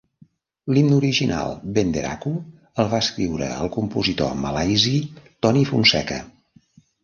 L'himne original "Benderaku", el va escriure el compositor malaisi Tony Fonseka.